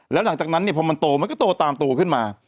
แล้วหลังจากนั้นเนี่ยพอมันโตมันก็โตตามโตขึ้นมา